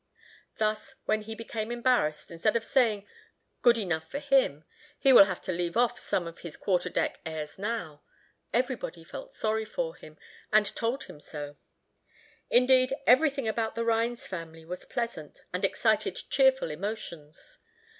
Thus, when he became embarrassed, instead of saying, "Good enough for him," "He will have to leave off some of his quarter deck airs now," everybody felt sorry for him, and told him so. Indeed, everything about the Rhines family was pleasant, and excited cheerful emotions.